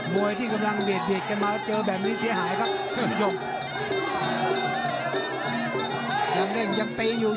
มวยที่กำลังเบียดเบียดกันมาเจอแบบนี้เสียหายครับเพื่อนผู้ชม